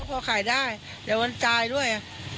พอขายได้เดี๋ยวมันตายด้วย